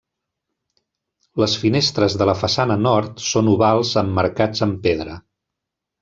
Les finestres de la façana nord són ovals emmarcats amb pedra.